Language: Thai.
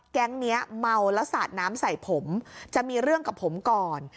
แก๊งนี้เมาแล้วสาดน้ำใส่ผมจะมีเรื่องกับผมก่อน